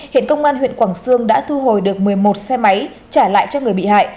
hiện công an huyện quảng sương đã thu hồi được một mươi một xe máy trả lại cho người bị hại